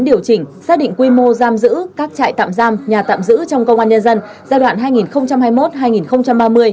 điều chỉnh xác định quy mô giam giữ các trại tạm giam nhà tạm giữ trong công an nhân dân giai đoạn